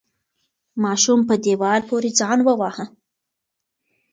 ماشوم په دیوال پورې ځان وواهه.